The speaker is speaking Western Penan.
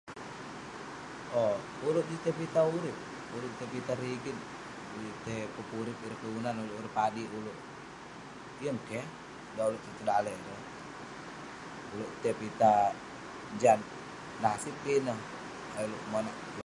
Owk. Uleuk juk tai pitah urip, uleuk juk tai pitah rigit, juk tai pepurip ireh kelunan uleuk, ireh padik uleuk. Yeng keh? Dan uleuk tai tong daleh ireh. Uleuk tai pitah jat nasib ki ineh ayuk uleuk monak.